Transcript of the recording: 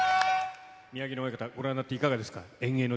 宮城野親方、ご覧になっていかがですか？